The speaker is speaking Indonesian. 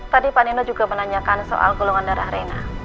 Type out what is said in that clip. tadi pak nino juga menanyakan soal golongan darah arena